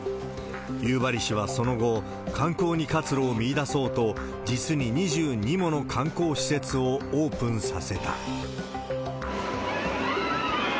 夕張市はその後、観光に活路を見いだそうと、実に２２もの観光施設をオープンさせた。